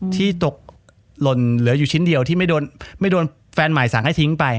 ที่ตกหล่นเหลืออยู่ชิ้นเดียวที่ไม่โดนแฟนใหม่สั่งให้ทิ้งไป